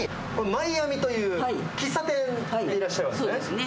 マイアミという喫茶店でいらっしゃるんですね。